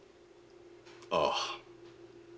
ああ。